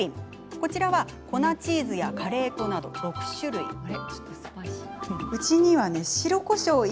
こちらは粉チーズやカレー粉など６種類です。